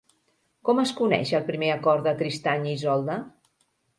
Com es coneix el primer acord de Tristany i Isolda?